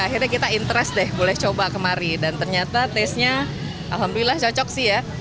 akhirnya kita interes deh gulai coba kemari dan ternyata tasenya alhamdulillah cocok sih ya